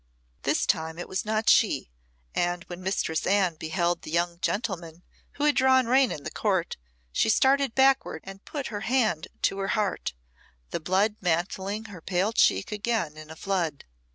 This time it was not she; and when Mistress Anne beheld the young gentleman who had drawn rein in the court she started backward and put her hand to her heart, the blood mantling her pale cheek again in a flood.